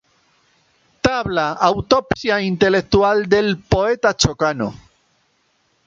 Tabla: Autopsia intelectual del poeta Chocano.